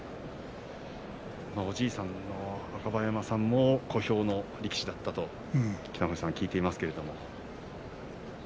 おじいさんの若葉山さんも小兵の力士だったと聞いていますけれど。